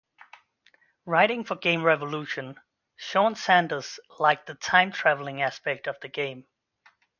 Writing for Game Revolution, Shawn Sanders liked the time-traveling aspect of the game.